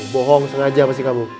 bohong sengaja pasti kamu